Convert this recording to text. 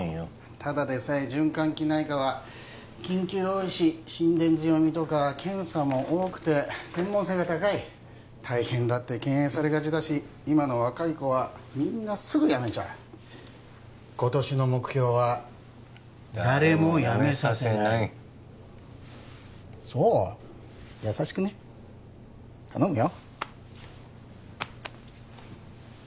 ただでさえ循環器内科は緊急多いし心電図読みとか検査も多くて専門性が高い大変だって敬遠されがちだし今の若い子はみんなすぐ辞めちゃう今年の目標は誰も辞めさせない誰も辞めさせないそう優しくね頼むよ